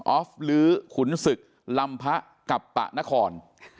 ออฟลื้อขุนศึกลำพะกับปะนคร